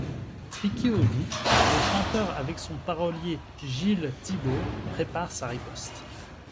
Piqué au vif, le chanteur avec son parolier Gilles Thibaut prépare sa riposte.